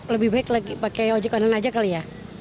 lebih baik pakai ojek warna aja kali ya